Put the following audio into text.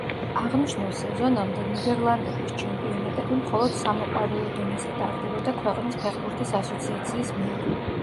აღნიშნულ სეზონამდე ნიდერლანდების ჩემპიონატები მხოლოდ სამოყვარულო დონეზე ტარდებოდა ქვეყნის ფეხბურთის ასოციაციის მიერ.